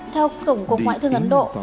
theo cổng cục ngoại thương ấn độ